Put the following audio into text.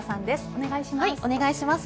お願いします。